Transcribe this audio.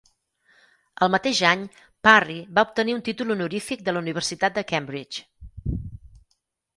El mateix any, Parry va obtenir un títol honorífic de la Universitat de Cambridge.